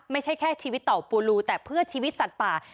ไม่ใช่แค่ชีวิตเต่าปูรูแต่เพื่อชีวิตสัตว์ป่า